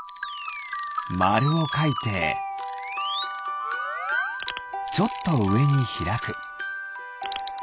まるをかいてちょっとうえにひらく。